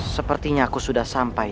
sepertinya aku sudah sampai